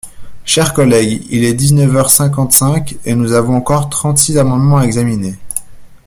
Chers collègues, il est dix-neuf heures cinquante-cinq et nous avons encore trente-six amendements à examiner.